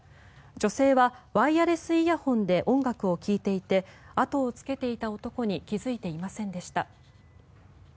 女性はワイヤレスイヤホンで音楽を聴いていて後をつけていた男に気付いていませんでした。